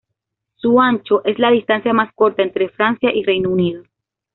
Su ancho es la distancia más corta entre Francia y Reino Unido.